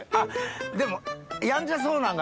でもやんちゃそうなんが。